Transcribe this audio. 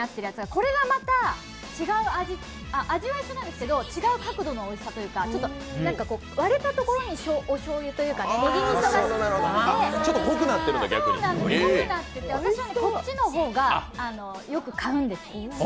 これがまた違う味、味は一緒なんですけど、違う角度のおいしさというか、割れたところにおしょうゆというかねぎみそが染み込んで濃くなってて、私はこっちの方がよく買うんです。